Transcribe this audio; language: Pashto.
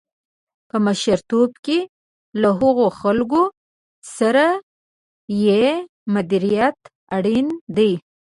په مشرتوب کې له هغو خلکو سره یې مديريت اړين دی.